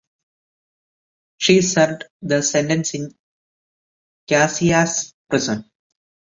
She served the sentence in Caxias prison.